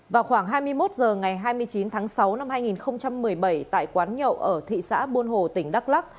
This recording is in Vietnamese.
vào khoảng hai mươi một h ngày hai mươi chín tháng sáu năm hai nghìn một mươi bảy tại quán nhậu ở thị xã buôn hồ tỉnh đắk lắc